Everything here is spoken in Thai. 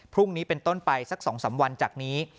พรุ่งนี้เป็นต้นไปสัก๒๓วันจากนี้